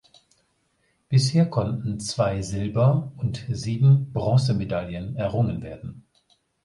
Bisher konnten zwei Silber- und sieben Bronzemedaillen errungen werden.